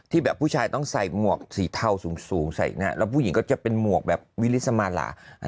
แบบผู้ชายต้องใส่หมวกสีเทาสูงใส่หน้าแล้วผู้หญิงก็จะเป็นหมวกแบบวิลิสมาลา